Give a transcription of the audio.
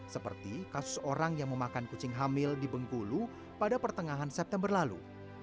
seperti kasus orang yang memakan kucing hamil di bengkulu pada pertengahan september lalu